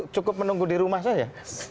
cukup menunggu di rumah saja